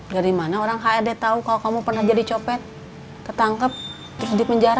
dari mana orang krd tahu kalau kamu pernah jadi copet ketangkep terus dipenjara